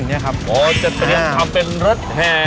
จัดสรุปทำเป็นรสแหย่